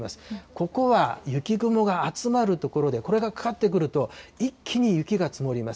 ここは雪雲が集まる所で、これがかかってくると、一気に雪が積もります。